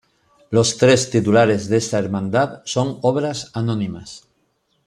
Los tres titulares de esta Hermandad son obras anónimas.